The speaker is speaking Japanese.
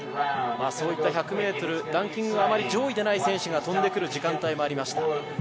そういった１００ｍ、ランキングがあまり上位でない選手が飛んでくる時間帯もありました。